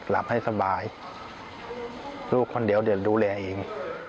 หลับให้สบายลูกคนเดียวเดี๋ยวดูแลเอง